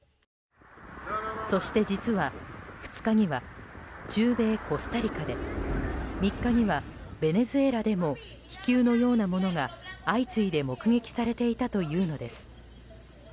そして実は２日には中米コスタリカで３日にはベネズエラでも気球のようなものが相次いで目撃されていたというのです。